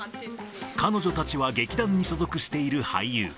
彼女たちは劇団に所属している俳優。